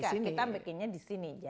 kita bikinnya di sini